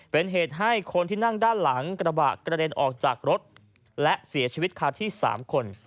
เป็นเหตุให้คนที่นั่งด้านหลังกระบะกระเด็นออกจากรถและเสียชีวิตคาที่๓คน